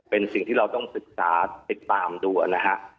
เป็นสิ่งที่เราต้องศึกษาติดตามดูนะฮะ